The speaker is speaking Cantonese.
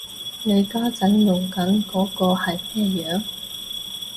你家陣用緊嗰個係咩樣